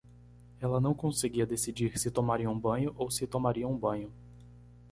Ela não conseguia decidir se tomaria um banho ou se tomaria um banho.